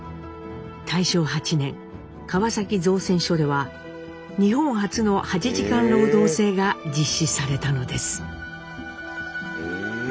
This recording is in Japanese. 大正８年川崎造船所では日本初の八時間労働制が実施されたのです。